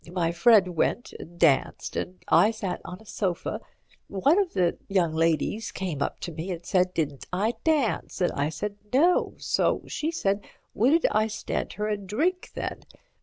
My friend went and danced, and I sat on a sofa. One of the young ladies came up to me and said, didn't I dance, and I said 'No,' so she said wouldn't I stand her a drink then.